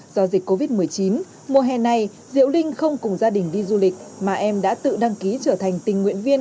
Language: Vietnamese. do dịch covid một mươi chín mùa hè này diệu linh không cùng gia đình đi du lịch mà em đã tự đăng ký trở thành tình nguyện viên